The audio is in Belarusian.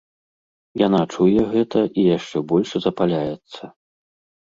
Яна чуе гэта і яшчэ больш запаляецца.